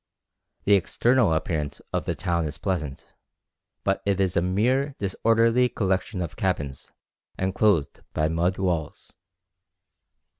The external appearance of the town is pleasant, but it is a mere disorderly collection of cabins enclosed by mud walls.